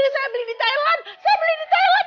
saya beli di thailand